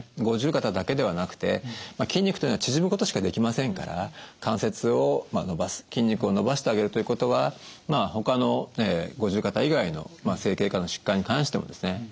五十肩だけではなくて筋肉というのは縮むことしかできませんから関節を伸ばす筋肉を伸ばしてあげるということはほかの五十肩以外の整形外科の疾患に関してもですね